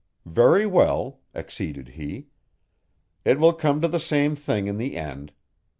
"Very well," acceded he. "It will come to the same thing in the end.